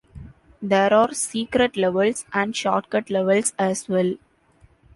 There are secret levels, and shortcut levels as well.